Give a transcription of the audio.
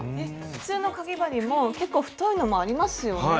普通のかぎ針も結構太いのもありますよね。